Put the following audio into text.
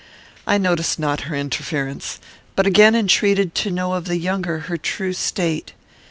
I noticed not her interference, but again entreated to know of the younger her true state.